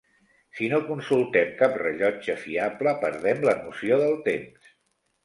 Si no consultem cap rellotge fiable perdem la noció del temps.